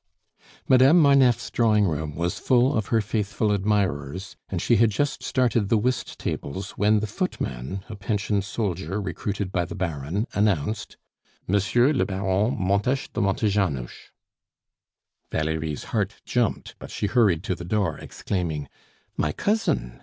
Madame Marneffe's drawing room was full of her faithful admirers, and she had just started the whist tables, when the footman, a pensioned soldier recruited by the Baron, announced: "Monsieur le Baron Montes de Montejanos." Valerie's heart jumped, but she hurried to the door, exclaiming: "My cousin!"